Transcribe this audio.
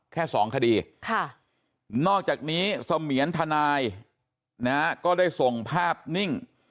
แค่สองคดีนอกจากนี้เสมียนทนายนะฮะก็ได้ส่งภาพนิ่ง